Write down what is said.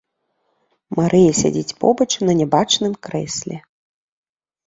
Марыя сядзіць побач на нябачным крэсле.